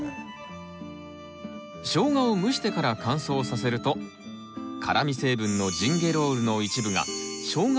ショウガを蒸してから乾燥させると辛み成分のジンゲロールの一部がショウガ